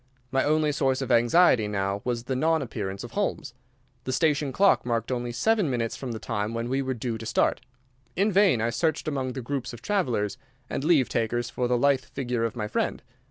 My only source of anxiety now was the non appearance of Holmes. The station clock marked only seven minutes from the time when we were due to start. In vain I searched among the groups of travellers and leave takers for the lithe figure of my friend.